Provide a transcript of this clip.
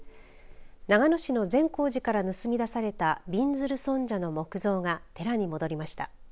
長野市の善光寺から盗み出されたびんずる尊者の木像が寺に戻りました。